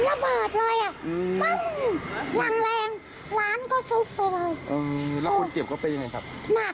กลับเกียรติเก็บเข้าไปยังไงครับ